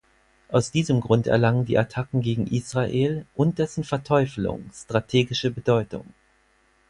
Aus diesem Grund erlangen die Attacken gegen Israel und dessen Verteufelung strategische Bedeutung.